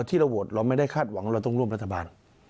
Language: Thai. ที่เราโหวตเราไม่ได้คาดหวังว่าเราต้องร่วมรัฐบาล